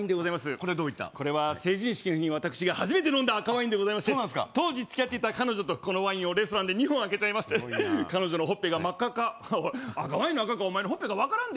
これはどういったこれは成人式の日に私が初めて飲んだ赤ワインでございまして当時つきあっていた彼女とこのワインをレストランで２本空けちゃいまして彼女のほっぺが真っ赤っか「赤ワインの赤かお前のほっぺか分からんで」